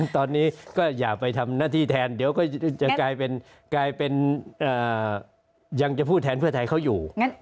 ตอนนี้ก็อย่าไปทำหน้าที่แทนเดี๋ยวก็จะกลายเป็นยังจะพูดแทนเพื่อไทยเขาอยู่